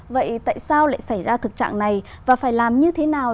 vậy tại sao lại xảy ra thực trạng này và phải làm như thế nào